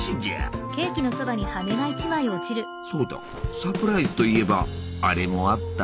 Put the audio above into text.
そうだサプライズといえばあれもあったのう。